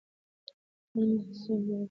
کندز سیند د افغانستان د اقتصاد یوه برخه ده.